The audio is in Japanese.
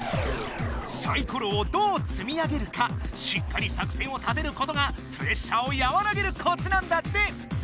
サイコロをどうつみ上げるかしっかり作戦を立てることがプレッシャーをやわらげるコツなんだって。